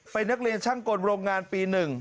เป็นนักเรียนช่างกลโรงงานปี๑